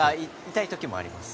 痛い時もあります